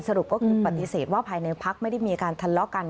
สรุปก็คือปฏิเสธว่าภายในพักไม่ได้มีการทะเลาะกัน